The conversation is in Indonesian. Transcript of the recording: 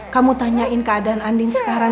kamu tanyain keadaan andin sekarang